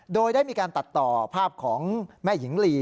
โดยได้มีการตัดต่อภาพของแม่หญิงลี